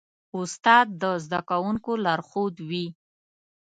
استاد د زدهکوونکو لارښود وي.